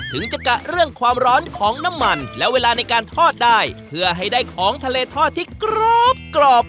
ถึงจะกะเรื่องความร้อนของน้ำมันและเวลาในการทอดได้เพื่อให้ได้ของทะเลทอดที่กรอบกรอบ